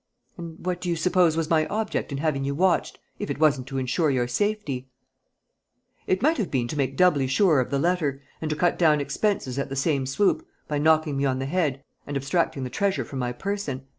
"And what do you suppose was my object in having you watched, if it wasn't to ensure your safety?" "It might have been to make doubly sure of the letter, and to cut down expenses at the same swoop, by knocking me on the head and abstracting the treasure from my person.